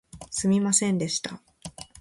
すみませんでした